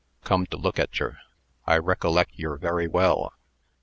"Come to look at yer, I recolleck yer very well.